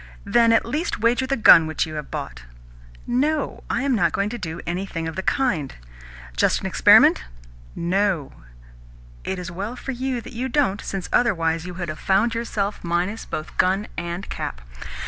"Then at least wager the gun which you have bought." "No, I am not going to do anything of the kind." "Just as an experiment?" "No." "It is as well for you that you don't, since, otherwise, you would have found yourself minus both gun and cap.